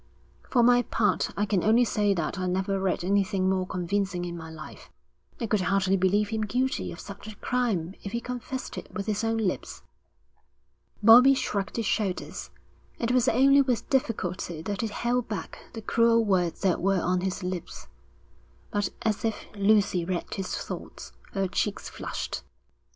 'For my part, I can only say that I never read anything more convincing in my life.' 'I could hardly believe him guilty of such a crime if he confessed it with his own lips.' Bobbie shrugged his shoulders. It was only with difficulty that he held back the cruel words that were on his lips. But as if Lucy read his thoughts, her cheeks flushed.